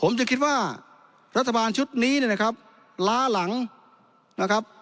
ผมจะคิดว่ารัฐบาลชุดนี้เนี่ยนะครับล้าหลังนะครับ